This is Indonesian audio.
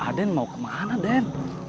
aden mau kemana den